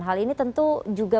hal ini tentu juga